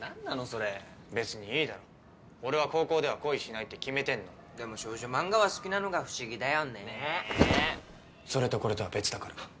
それ別にいいだろ俺は高校では恋しないって決めてんのでも少女漫画は好きなのが不思議だよねそれとこれとは別だからはっ！